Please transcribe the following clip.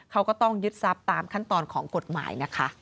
เขาก็ต้องยึดซับตามขั้นตอนของกฎหมาย